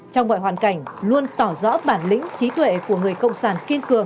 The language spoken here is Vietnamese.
trong mọi hoàn cảnh luôn tỏ rõ bản lĩnh trí tuệ của người cộng sản kiên cường